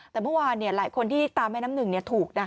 แต่วันเนี่ยหลายคนที่ตามแม่น้ำหนึ่งเนี่ยถูกนะ